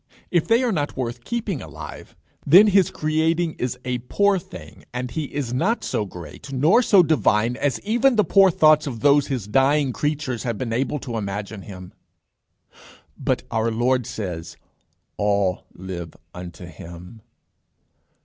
If they are not worth keeping alive, then his creating is a poor thing, and he is not so great, nor so divine as even the poor thoughts of those his dying creatures have been able to imagine him. But our Lord says, "All live unto him."